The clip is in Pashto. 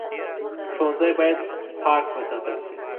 ښوونځی باید پاک وساتل شي